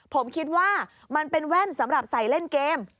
ผมคิดว่ามันเป็นแว่นสำหรับใส่เล่นเกม